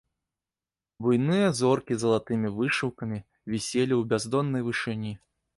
Буйныя зоркі залатымі вышыўкамі віселі ў бяздоннай вышыні.